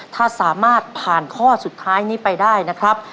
ถ้าสามารถผ่านข้อสุดท้ายนี้ไปได้นะครับ